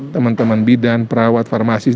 teman teman bidan perawat farmasi